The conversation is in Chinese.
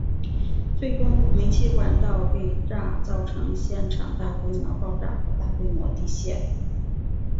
最终煤气管道被炸造成现场大规模爆炸和大规模地陷。